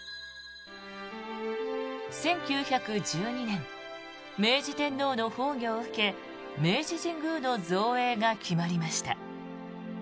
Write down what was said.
１９１２年明治天皇の崩御を受け明治神宮の造営が決まりました。